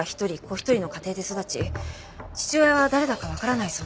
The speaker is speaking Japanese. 一人の家庭で育ち父親は誰だかわからないそうです。